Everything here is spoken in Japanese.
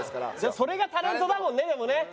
それがタレントだもんねでもね。